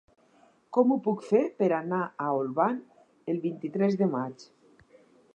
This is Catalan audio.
Com ho puc fer per anar a Olvan el vint-i-tres de maig?